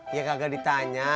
iya kagak ditanya